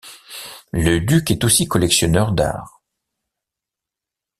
Le duc est aussi collectionneur d'art.